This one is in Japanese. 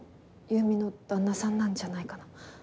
優美の旦那さんなんじゃないかな？